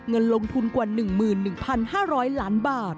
เงินลงทุนกว่า๑๑๕๐๐ล้านบาท